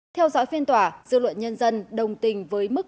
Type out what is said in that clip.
theo dõi phiên tòa dư luận nhân dân đồng tình với mức